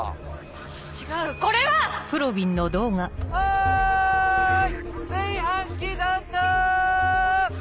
違うこれは！おい！